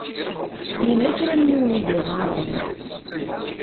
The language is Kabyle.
Yella kra n yiwen i d-iɣaṛen.